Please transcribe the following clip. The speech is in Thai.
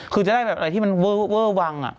คือจะได้แบบอะไรที่มันเวอร์วัง